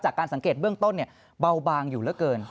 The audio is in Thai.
จากการสังเกตเบื้องต้นเนี่ยเบาบางอยู่แล้วเกิน